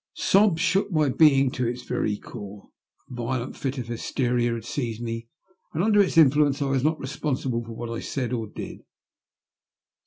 Sobs shook my being to its very core. A violent fit of hysteria had seized me, and under its influence I was not responsible for what I said or did.